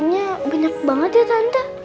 cctv nya banyak banget ya tante